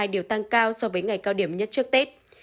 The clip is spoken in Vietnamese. đều tăng cao so với ngày cao điểm nhất trước tết